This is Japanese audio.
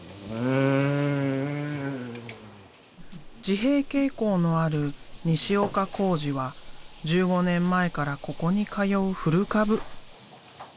自閉傾向のある西岡弘治は１５年前からここに通う古株。